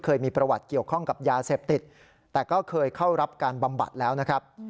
เคยมีประวัติเกี่ยวข้องกับยาเสพติดแต่ก็เคยเข้ารับการบำบัดแล้วนะครับ